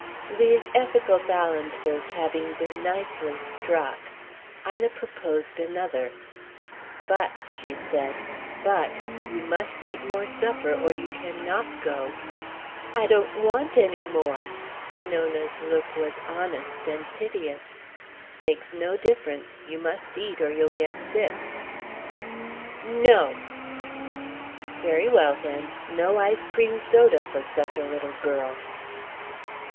These ethical balances having been nicely struck, Ina proposed another: "But," she said, "but, you must eat more supper or you can not go." "I don't want any more." Monona's look was honest and piteous. "Makes no difference. You must eat or you'll get sick." "No!" "Very well, then. No ice cream soda for such a little girl."